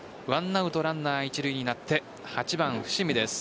１アウトランナー一塁になって８番・伏見です。